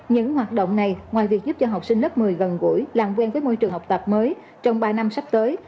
những hoạt động này ngoài việc giúp cho học sinh lớp một mươi gần gũi làm quen với môi trường học tập mới trong ba năm sắp tới